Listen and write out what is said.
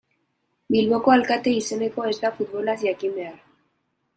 Bilboko alkate izateko ez da futbolaz jakin behar.